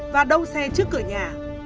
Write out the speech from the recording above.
và đầu xe trước cửa nhà